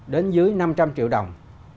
đến dưới năm trăm linh triệu đồng